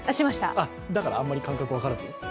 だからあまり感覚が分からず？